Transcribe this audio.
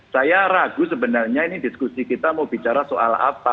saya ragu sebenarnya ini diskusi kita mau bicara soal apa